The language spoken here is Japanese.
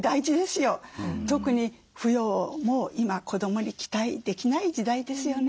特に扶養も今子どもに期待できない時代ですよね。